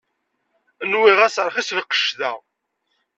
Nwiɣ-as rxis lqecc da.